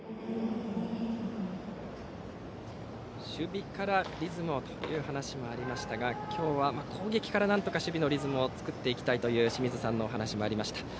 守備からリズムをという話もありましたが今日は攻撃からなんとか守備のリズムを作っていきたいという清水さんのお話もありました。